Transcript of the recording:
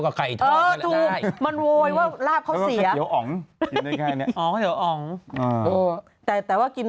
นานแล้ว